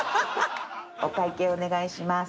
お会計お願いします。